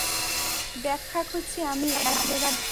ব্যাখ্যা খুঁজছি আমি এক জোড়া ডানার।